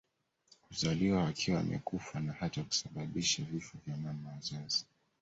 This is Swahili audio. kuzaliwa wakiwa wamekufa na hata kusababisha vifo vya mama wazazi